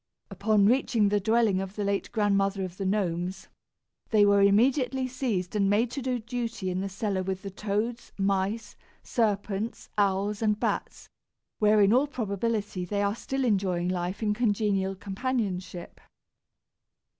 Upon reaching the dwelling of the late Grandmother of the Gnomes, they were immediately seized and made to do duty in the cellar with the toads, mice, serpents, owls, and bats, where in all probability they are still enjoying life in congenial companionship.